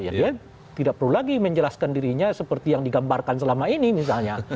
ya dia tidak perlu lagi menjelaskan dirinya seperti yang digambarkan selama ini misalnya